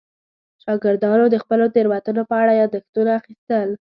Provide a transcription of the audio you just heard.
شاګردانو د خپلو تېروتنو په اړه یادښتونه اخیستل.